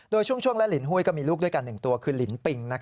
โดยช่วงและลินหุ้ยก็มีลูกด้วยกัน๑ตัวคือลินปิง